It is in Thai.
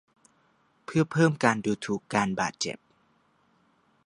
เพื่อเพิ่มการดูถูกการบาดเจ็บ